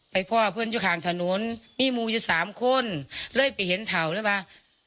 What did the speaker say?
ไปพ่อเพื่อนอยู่ข้างถนนมีมูยสามคนเลยไปเห็นเถ่าเลยว่า